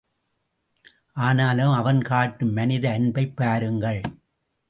ஆனாலும் அவன் காட்டும் மனித அன்பைப் பாருங்கள்!